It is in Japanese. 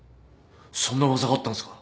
そんな噂があったんですか？